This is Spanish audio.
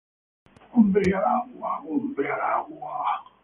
¡ hombre al agua! ¡ hombre al agua!